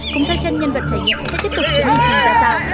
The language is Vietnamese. cùng theo chân nhân vật trải nghiệm sẽ tiếp tục chứng minh tình trạng xa